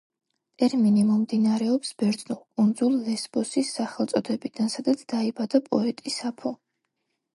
ტერმინი მომდინარეობს ბერძნულ კუნძულ ლესბოსის სახელწოდებიდან, სადაც დაიბადა პოეტი საფო.